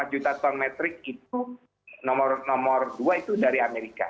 empat juta ton metrik itu nomor dua itu dari amerika